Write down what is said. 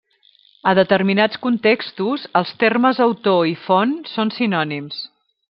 A determinats contextos, els termes autor i font són sinònims.